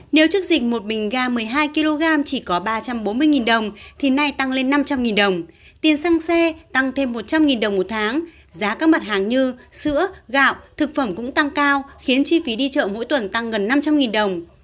nếu trước dịch một bình ga một mươi hai kg chỉ có ba trăm bốn mươi đồng thì nay tăng lên năm trăm linh đồng tiền xăng xe tăng thêm một trăm linh đồng một tháng giá các mặt hàng như sữa gạo thực phẩm cũng tăng cao khiến chi phí đi chợ mỗi tuần tăng gần năm trăm linh đồng